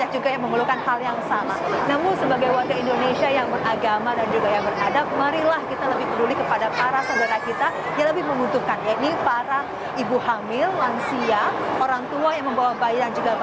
jangan berdiri di kawasan hijau ini